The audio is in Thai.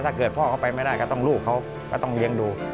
ถ้าเกิดพ่อเขาไปไม่ได้ก็ต้องลูกเขาก็ต้องเลี้ยงดู